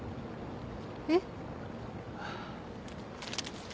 えっ？